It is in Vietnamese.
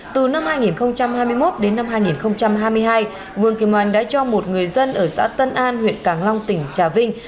từ năm hai nghìn hai mươi một đến năm hai nghìn hai mươi hai vương kim oanh đã cho một người dân ở xã tân an huyện càng long tỉnh trà vinh